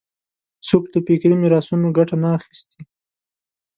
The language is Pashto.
څوک له فکري میراثونو ګټه نه اخیستی